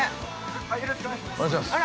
◆よろしくお願いします。